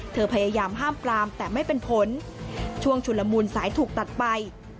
พยายามห้ามปลามแต่ไม่เป็นผลช่วงชุลมูลสายถูกตัดไป